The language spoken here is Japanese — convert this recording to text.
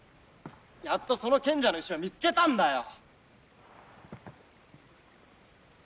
やっとその賢者の石を見つけたんだよ